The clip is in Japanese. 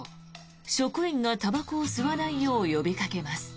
職員がたばこを吸わないよう呼びかけます。